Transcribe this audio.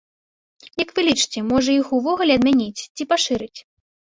Як вы лічыце, можа іх увогуле адмяніць ці пашырыць?